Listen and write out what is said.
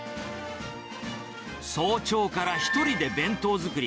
早朝から１人で弁当作り。